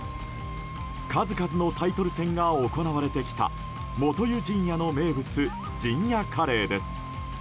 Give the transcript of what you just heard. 数々のタイトル戦が行われてきた元湯陣屋の名物陣屋カレーです。